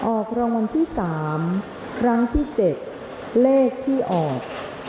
ออกรางวัลที่๓ครั้งที่๗เลขที่ออก